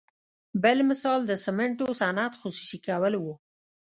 بل مثال د سمنټو صنعت خصوصي کول وو.